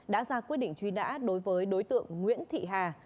đã ra quyết định truy nã đối với đối tượng nguyễn thị hà